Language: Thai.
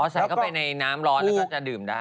ใส่เข้าไปในน้ำร้อนแล้วก็จะดื่มได้